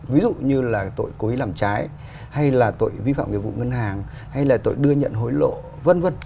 ví dụ như là tội cố ý làm trái hay là tội vi phạm nhiệm vụ ngân hàng hay là tội đưa nhận hối lộ vân vân